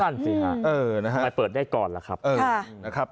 ก็ตั้งสิค่ะไปเปิดได้ก่อนล่ะครับ